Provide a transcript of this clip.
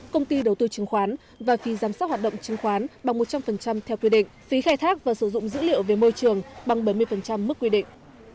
công ty đầu tư chứng khoán và phí giám sát hoạt động chứng khoán bằng một trăm linh theo quy định phí khai thác và sử dụng dữ liệu về môi trường bằng bảy mươi mức quy định